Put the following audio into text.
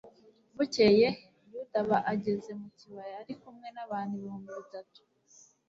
bukeye, yuda aba ageze mu kibaya ari kumwe n'abantu ibihumbi bitatu